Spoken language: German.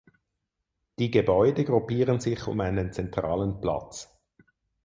Die Gebäude gruppieren sich um einen zentralen Platz.